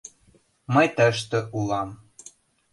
Мый тыште улам.